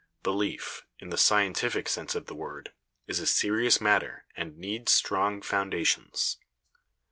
Belief, in the scientific sense of the word, is a serious matter and needs strong foundations.